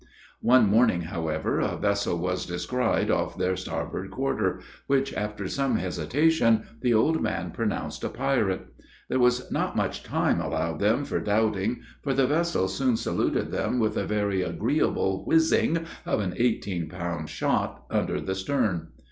One morning, however, a vessel was descried off their starboard quarter, which, after some hesitation, the old man pronounced a pirate. There was not much time allowed them for doubting, for the vessel soon saluted them with a very agreeable whizzing of an eighteen pound shot under the stern.